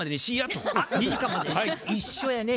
一緒やね。